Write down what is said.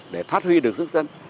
để phát huy được sức dân